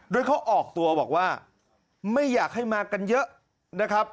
โดยเขาออกตัวบอกว่าไม่อยากให้มากันเยอะนะครับ